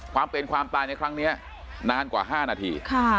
ความเป็นความตายในครั้งนี้นานกว่า๕นาที